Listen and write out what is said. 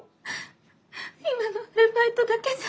今のアルバイトだけじゃ。